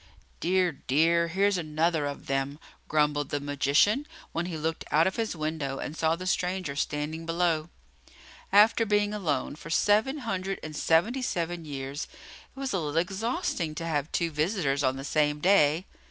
"Dear, dear! Here 's another of them!" grumbled the magician, when he looked out of his window and saw the stranger standing below. After being alone for seven hundred and seventy seven years, it was a little exhausting to have two visitors on the same day.